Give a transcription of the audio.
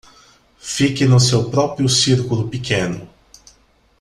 Fique no seu próprio círculo pequeno